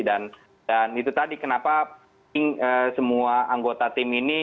dan itu tadi kenapa semua anggota tim ini